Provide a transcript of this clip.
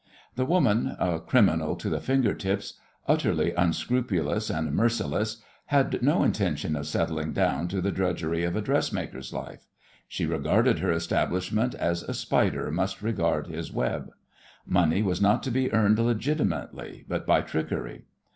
The woman, a criminal to the finger tips, utterly unscrupulous and merciless, had no intention of settling down to the drudgery of a dressmaker's life. She regarded her establishment as a spider must regard his web. Money was not to be earned legitimately, but by trickery.